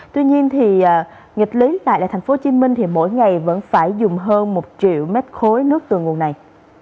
tuy nhiên thì nghịch lý tại thành phố hồ chí minh thì mỗi ngày vẫn phải dùng hơn một triệu mét khối nước từ nguồn này